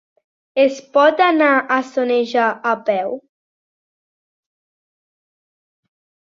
Es pot anar a Soneja a peu?